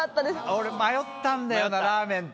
俺迷ったんだよなラーメンと。